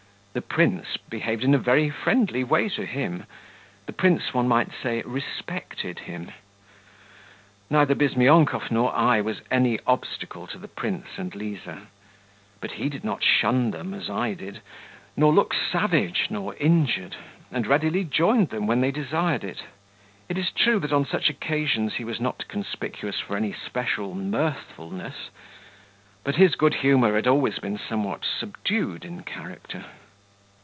The prince behaved in a very friendly way to him; the prince, one might say, respected him. Neither Bizmyonkov nor I was any obstacle to the prince and Liza; but he did not shun them as I did, nor look savage nor injured and readily joined them when they desired it. It is true that on such occasions he was not conspicuous for any special mirthfulness; but his good humour had always been somewhat subdued in character.